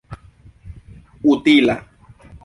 utila